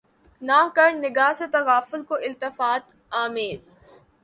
نہ کر نگہ سے تغافل کو التفات آمیز